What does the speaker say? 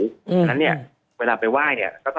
เพราะฉะนั้นเวลาไปไหว้